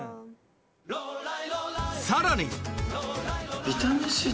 さらに！